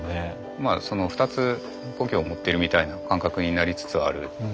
まあそのふたつ故郷を持ってるみたいな感覚になりつつある。